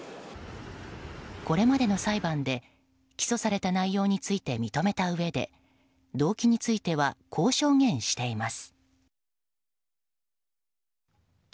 これまでの裁判で、起訴された内容について認めたうえで動機についてはこう証言しています。